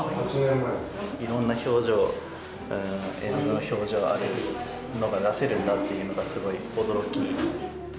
いろんな表情、絵の具の表情、あるのが出せるんだっていうのがすごい驚き。